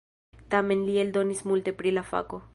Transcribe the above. Tamen li eldonis multe pri la fako.